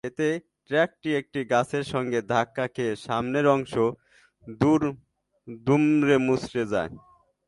এতে ট্রাকটি একটি গাছের সঙ্গে ধাক্কা খেয়ে সামনের অংশ দুমড়েমুচড়ে যায়।